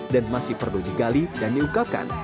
dan masih perlu digali dan diukakan